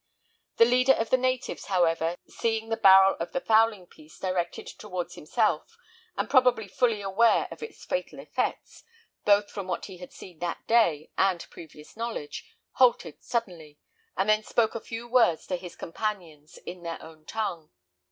The leader of the natives, however, seeing the barrel of the fowling piece directed towards himself, and probably fully aware of its fatal effects, both from what he had seen that day, and previous knowledge, halted suddenly, and then spoke a few words to his companions in their own tongue.